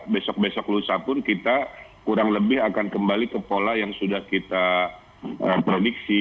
besok besok lusa pun kita kurang lebih akan kembali ke pola yang sudah kita prediksi